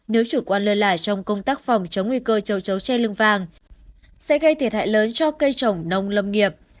nếu chủ quan lơ lải trong công tác phòng chống nguy cơ châu chấu tre lưng vàng sẽ gây thiệt hại lớn cho cây trồng nông lâm nghiệp